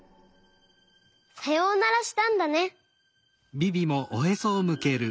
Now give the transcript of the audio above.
さようならしたんだね。